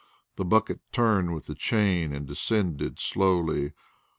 The bucket turned with the chain and descended slowly.